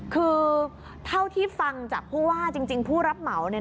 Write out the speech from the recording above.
คือเท่าที่ฟังจากผู้ว่าจริงผู้รับเหมา